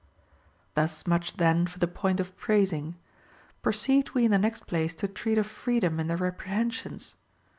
17. Thus much then for the point of praising; proceed we in the next place to treat of freedom in their reprehen sions.